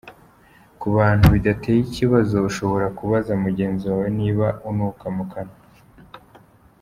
Ku bantu bidateye ikibazo ushobora kubaza mugenzi wawe niba unuka mu kanwa.